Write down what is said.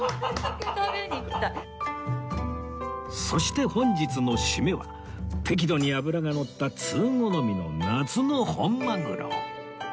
そして本日の締めは適度に脂がのった通好みの夏の本マグロ